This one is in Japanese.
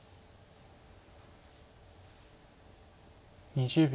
２０秒。